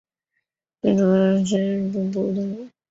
胼足蝠属等之数种哺乳动物。